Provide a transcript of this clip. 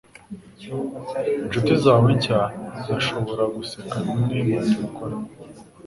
Inshuti zawe nshya zirashobora guseka bimwe mubintu ukora